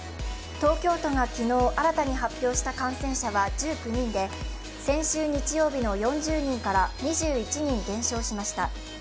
東京都が昨日新たに発表した感染者は１９人で先週日曜日の４０人から２１人減少しました。